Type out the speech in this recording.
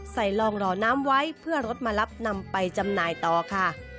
ลองหล่อน้ำไว้เพื่อรถมารับนำไปจำหน่ายต่อค่ะ